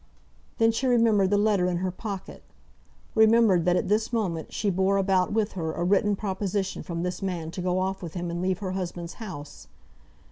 Then she remembered the letter in her pocket, remembered that at this moment she bore about with her a written proposition from this man to go off with him and leave her husband's house.